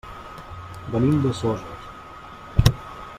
Venim de Soses.